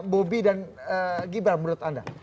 bobi dan gibran menurut anda